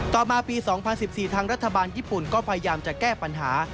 ต่อมาปี๒๐๑๔ทางรัฐบาลญี่ปุ่นก็พยายามจะแก้ปัญหา